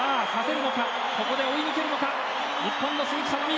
ここで追い抜けるか日本の鈴木聡美。